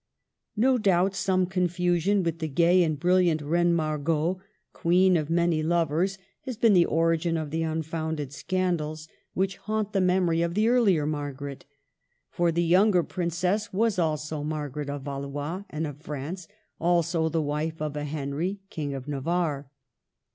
No doubt some confusion with the gay and brilliant Reine Margot, queen of many lovers, 8 PREFACE. has been the origin of the unfounded scandals which haunt the memory of the earher Margaret ; for the younger princess was also Margaret of Valois and of France, also the wife of a Henry, King of Navarre.